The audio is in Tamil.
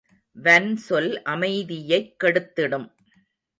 வன்சொல் அமைதியைக் கெடுத் திடும்.